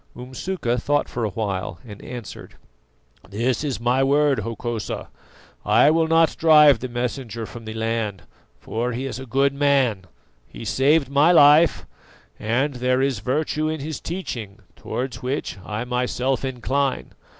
Umsuka thought for a while and answered: "This is my word, Hokosa: I will not drive the Messenger from the land, for he is a good man; he saved my life, and there is virtue in his teaching, towards which I myself incline.